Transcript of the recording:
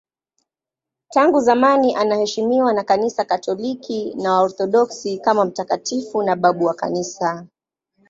Tangu zamani anaheshimiwa na Kanisa Katoliki na Waorthodoksi kama mtakatifu na babu wa Kanisa.